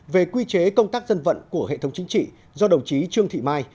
về quy chế công tác dân vận của hệ thống chính trị do đồng chí trương thị mai